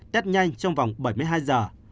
test nhanh trong vòng bảy mươi hai giờ